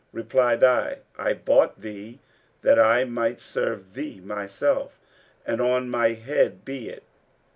Replied I, 'I bought thee that I might serve thee myself; and on my head be it.'